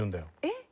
えっ？